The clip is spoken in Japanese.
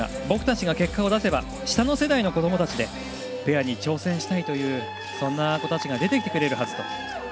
僕たちが結果を出せば下の世代の子どもたちでペアに挑戦したいというそんな子たちが出てきてくれるはずだと。